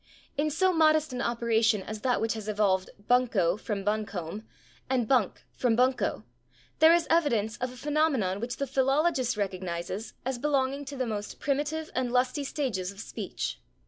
In so modest an operation as that which has evolved /bunco/ from /buncombe/ and /bunk/ from /bunco/ there is evidence of a phenomenon which the philologist recognizes as belonging to the most primitive and lusty stages of speech.